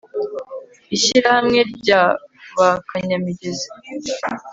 Ishyirahamwe rya ba Kanyamigezi